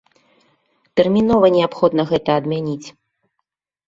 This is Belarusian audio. Тэрмінова неабходна гэта адмяніць!